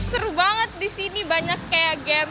seru banget di sini banyak kayak game